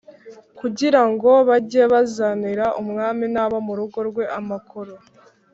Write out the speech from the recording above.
kugira ngo bajye bazanira umwami n’abo mu rugo rwe amakoro